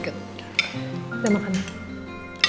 gede udah makan ya